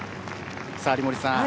有森さん